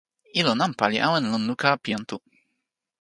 ilo nanpa li awen lon luka pi jan Tu.